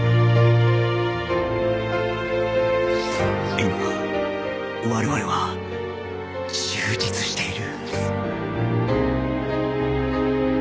今我々は充実している